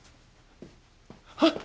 あっ。